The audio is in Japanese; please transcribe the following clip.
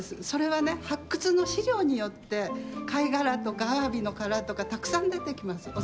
それはね発掘の資料によって貝殻とかアワビの殻とかたくさん出てきます。